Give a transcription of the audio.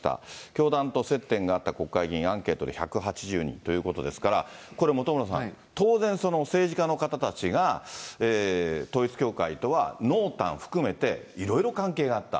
教団と接点があった国会議員、アンケートで１８０人ということですから、これ、本村さん、当然、政治家の方たちが、統一教会とは濃淡含めて、いろいろ関係があった。